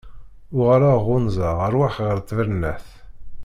Uɣaleɣ ɣunzaɣ rrwaḥ ɣer ttbernat.